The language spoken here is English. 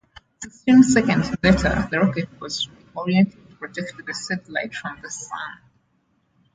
Sixteen seconds later, the rocket was re-oriented to protect the satellite from the sun.